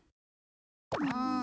うん。